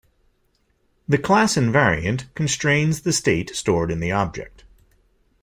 The class invariant constrains the state stored in the object.